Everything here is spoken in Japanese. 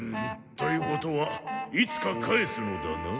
ということはいつか返すのだな？